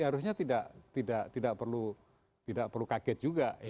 harusnya tidak perlu kaget juga